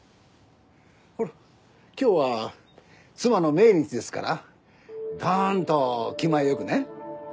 ほら今日は妻の命日ですからドンと気前よくね。